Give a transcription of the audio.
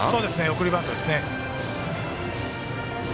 送りバントです。